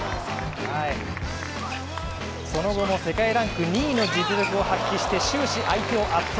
その後も世界ランク２位の実力を発揮して終始相手を圧倒。